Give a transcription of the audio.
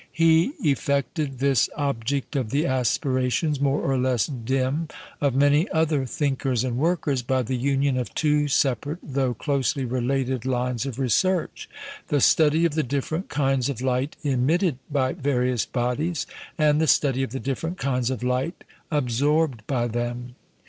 He effected this object of the aspirations, more or less dim, of many other thinkers and workers, by the union of two separate, though closely related lines of research the study of the different kinds of light emitted by various bodies, and the study of the different kinds of light absorbed by them.